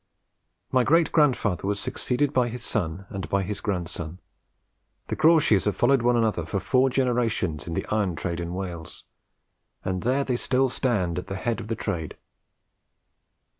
My great grandfather was succeeded by his son, and by his grandson; the Crawshays have followed one another for four generations in the iron trade in Wales, and there they still stand at the head of the trade."